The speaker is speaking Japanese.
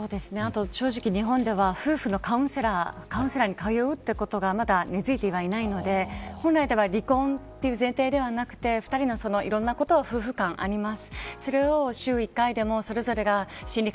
正直、日本では夫婦のカウンセラーに通うということがまだ根づいてはいないので本来は離婚という前提ではなくて二人のいろんなことが夫婦間であります。